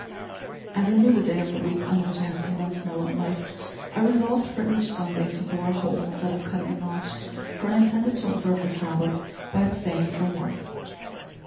As I knew the day of the week on which I had commenced my lone life, I resolved, for each Sunday, to bore a hole instead of cutting a notch, for I intended to observe the Sabbath by abstaining from work.